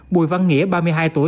bùi văn nghĩa ba mươi hai tuổi